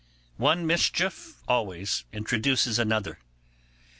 One mischief always introduces another.